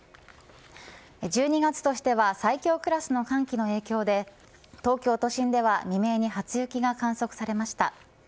１２月としては最強クラスの寒気の影響で東京都心では未明に初雪が観測されました。